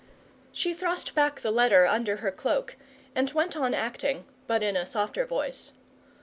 She thrust back the letter under her cloak, and went on acting, but in a softer voice.